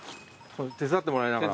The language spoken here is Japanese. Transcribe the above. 手伝ってもらいながら。